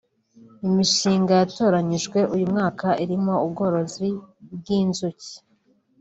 Imishinga yatoranyijwe uyu mwaka irimo ubworozi bw’inzuki